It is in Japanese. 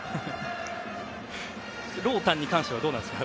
ろーたんに関してはどうなんですか？